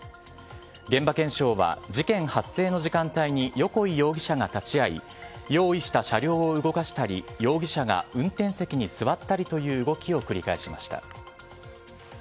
現場検証は、事件発生の時間帯に横井容疑者が立ち会い用意した車両を動かしたり容疑者が運転席に座ったりという動きを繰り返しました。